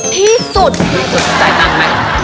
ที่สุดตามไหม